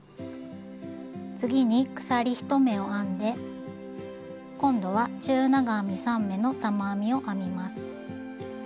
次に鎖１目を編んで今度は中長編み３目の玉編みを編みます。